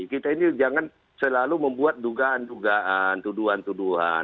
kita ini jangan selalu membuat dugaan dugaan tuduhan tuduhan